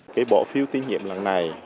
cái bộ phiếu tiết nghiệm lần này